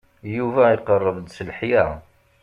Yuba iqerreb-d s leḥya.